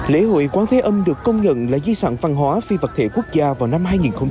lễ hội quán thế âm được công nhận là di sản phân hóa phi vật thể quốc gia vào năm hai nghìn hai mươi một